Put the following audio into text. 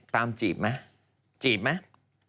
จีบไหมจีบไหม